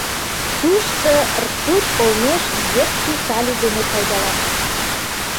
Тушто ртуть олмеш едкий калий дене пайдаланат.